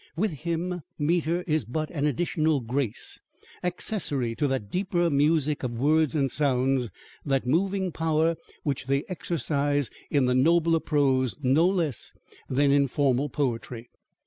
With him, metre is but an additional grace, accessory to that deeper music of words and sounds, that moving power, which they exercise in the nobler prose no less than in formal poetry.